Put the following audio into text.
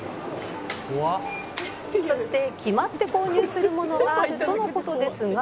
「そして決まって購入するものがあるとの事ですが」